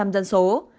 một mươi bốn dân số